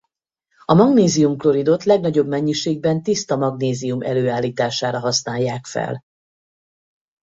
A magnézium-kloridot legnagyobb mennyiségben tiszta magnézium előállítására használják fel.